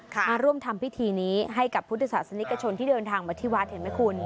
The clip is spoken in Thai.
มาร่วมทำพิธีนี้ให้กับพุทธศาสนิกชนที่เดินทางมาที่วัดเห็นไหมคุณ